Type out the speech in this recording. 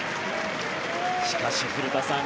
しかし、古田さん